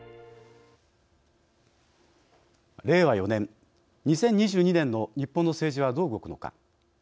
令和４年、２０２２年の日本の政治はどう動くのか。